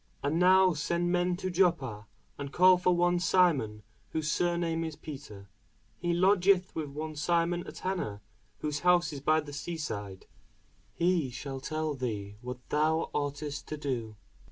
And now send men to Joppa, and call for one Simon, whose surname is Peter: he lodgeth with one Simon a tanner, whose house is by the sea side: he shall tell thee what thou oughtest to do.